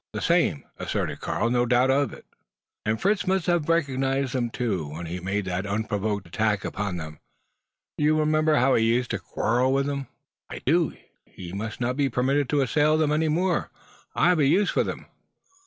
"The same," asserted Karl. "No doubt of it." "And Fritz must have recognised them too when he made that unprovoked attack upon them! You remember how he used to quarrel with them?" "I do. He must not be permitted to assail them any more. I have a use for them."